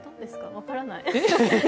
分からない。